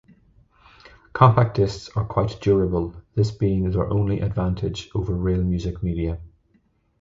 Compact discs are quite durable, this being their only advantage over real music media.